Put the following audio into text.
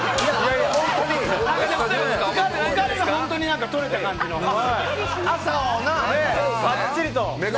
疲れが本当に取れた感じのがっつりと。